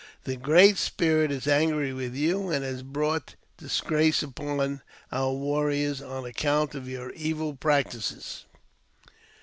The Great Spirit is angry with you, and has brought disgrace upon our warriors on account of your evil practices.